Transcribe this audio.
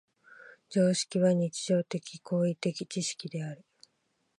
常識は日常的・行為的知識である。